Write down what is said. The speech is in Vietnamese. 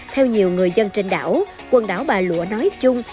theo nhiều người dân trên đảo quần đảo bà lụa nói chung